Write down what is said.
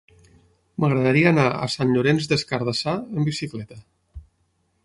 M'agradaria anar a Sant Llorenç des Cardassar amb bicicleta.